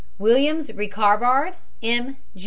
WILLIAMS, RICHARD M., JR.